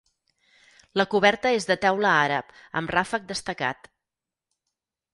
La coberta és de teula àrab amb ràfec destacat.